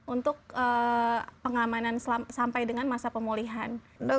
untuk pengamanan sampai dengan masa pemulihan